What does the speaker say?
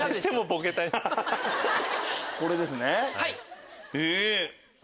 これですね。